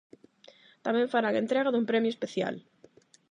Tamén farán entrega dun premio especial.